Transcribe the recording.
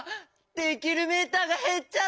できるメーターがへっちゃった！